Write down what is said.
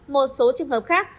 một số trường hợp khác